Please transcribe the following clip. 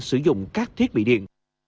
sử dụng các thiết bị điện